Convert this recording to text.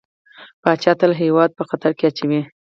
پاچا تل هيواد په خطر کې اچوي .